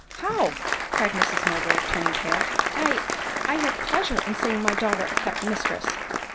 " How !" cried Mrs Mowbray ,_ turning pale, " I ! I have pleasure in seeing my daughter a kept mistress